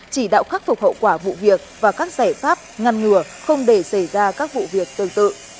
chỉ đạo khắc phục hậu quả vụ việc và các giải pháp ngăn ngừa không để xảy ra các vụ việc tương tự